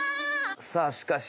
さあしかし。